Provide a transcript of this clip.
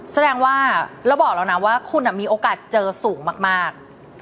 แสดงว่าเราบอกแล้วนะว่าคุณมีโอกาสเจอสูงมาก